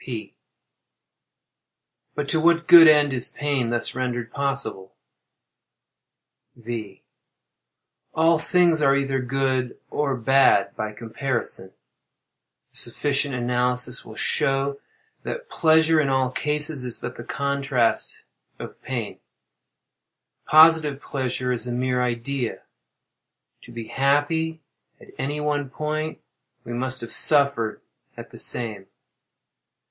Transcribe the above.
P. But to what good end is pain thus rendered possible? V. All things are either good or bad by comparison. A sufficient analysis will show that pleasure, in all cases, is but the contrast of pain. Positive pleasure is a mere idea. To be happy at any one point we must have suffered at the same.